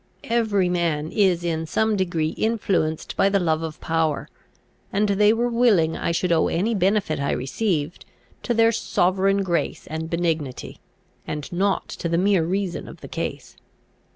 Every man is in some degree influenced by the love of power; and they were willing I should owe any benefit I received, to their sovereign grace and benignity, and not to the mere reason of the case.